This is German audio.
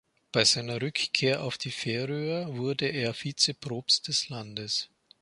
Bei seiner Rückkehr auf die Färöer wurde er Vize-Propst des Landes.